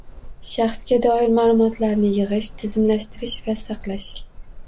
Shaxsga doir ma’lumotlarni yig‘ish, tizimlashtirish va saqlash